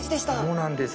そうなんです。